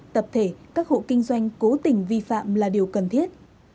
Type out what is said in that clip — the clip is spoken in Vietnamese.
tập thể các hộ kinh doanh cố tình vi phạm là điều cần thiết